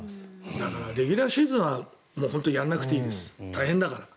だからレギュラーシーズンとかはやらなくていいです大変だから。